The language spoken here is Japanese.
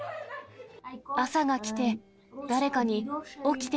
朝が来て、誰かに起きて！